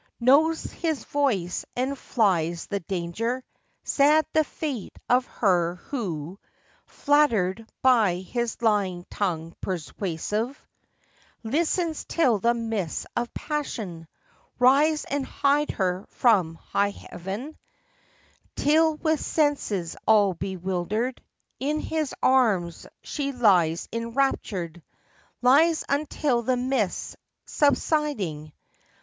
— Knows his voice and flies the danger! Sad the fate of her who, flattered By his lying tongue persuasive, Listens till the mists of passion Rise and hide her from high heaven; Till, with senses all bewildered, In his arms she lies enraptured; Lies until the mists, subsiding, FACTS AND FANCIES.